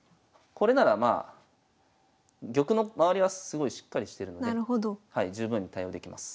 これならまあ玉の周りはすごいしっかりしてるので十分に対応できます。